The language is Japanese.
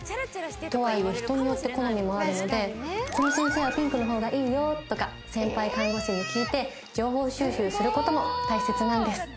とはいえ人によって好みもあるのでこの先生はピンクの方がいいよとか先輩看護師に聞いて情報収集する事も大切なんです。